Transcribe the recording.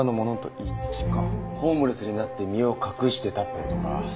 ホームレスになって身を隠してたって事か。